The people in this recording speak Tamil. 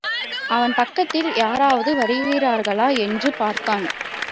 அவன் பக்கத்தில் யாராவது வருகிறார்களா என்று பார்த்தான்.